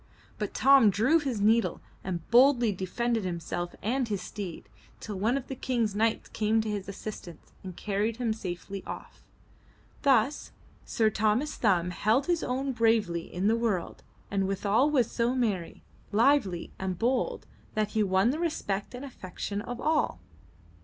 But Tom drew his needle and boldly de fended himself and his steed, till one of the King's knights came to his assistance and carried him safely off. Thus Sir Thomas Thumb held his own bravely in the world and withal was so merry, lively and bold, that he won the respect and affection of all.